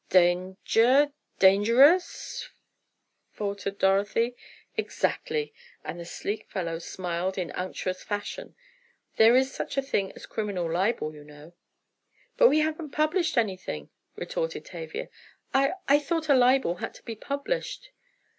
"Danger—dangerous?" faltered Dorothy. "Exactly!" and the sleek fellow smiled in unctuous fashion. "There is such a thing as criminal libel, you know." "But we haven't published anything!" retorted Tavia. "I—I thought a libel had to be published."